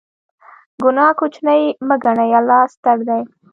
ګناه کوچنۍ مه ګڼئ، الله ستر دی.